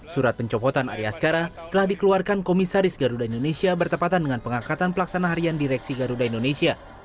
surat pencopotan arya skara telah dikeluarkan komisaris garuda indonesia bertepatan dengan pengangkatan pelaksana harian direksi garuda indonesia